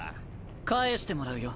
返してもらうよ。